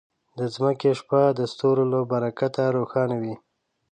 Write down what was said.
د ځمکې شپه د ستورو له برکته روښانه وي.